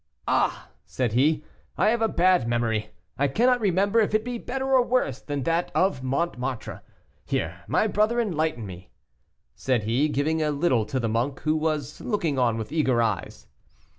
"Ah!" said he, "I have a bad memory, I cannot remember if it be better or worse than that at Montmartre. Here, my brother, enlighten me," said he, giving a little to the monk, who was looking on with eager eyes.